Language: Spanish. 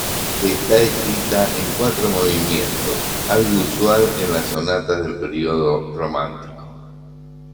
Está escrita en cuatro movimientos, algo usual en las sonatas del período romántico.